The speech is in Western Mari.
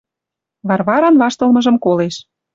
Варваран ваштылмыжым колеш.